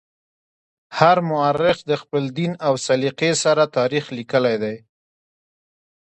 هر مورخ د خپل دین او سلیقې سره تاریخ لیکلی دی.